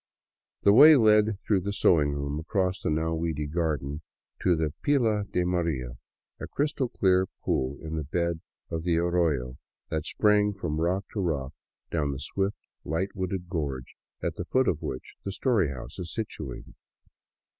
The way led through the sewing room across the now weedy garden to the " pila de Maria," a crystal clear pool in the bed of the arroyo that sprang from rock to rock down the swift, light wooded gorge at the foot of which the " story house " is situated.